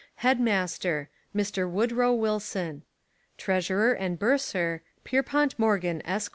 Headmaster Mr. Woodrow Wilson Treasurer and Bursar. . Pierpont Morgan, Esq.